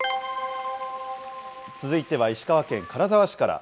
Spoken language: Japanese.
続いては石川県金沢市から。